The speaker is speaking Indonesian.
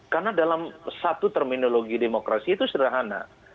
karena dalam satu terminologi demokrasi itu sederhana